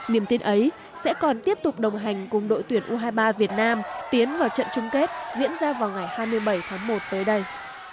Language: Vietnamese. niềm tin ấy sẽ còn tiếp tục đồng hành cùng đội tuyển u hai mươi ba việt nam tiến vào trận chung kết diễn ra vào ngày hai mươi bảy tháng một tới đây